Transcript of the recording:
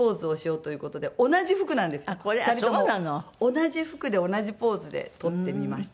同じ服で同じポーズで撮ってみました。